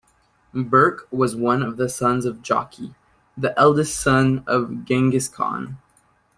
Berke was one of the sons of Jochi, the eldest son of Genghis Khan.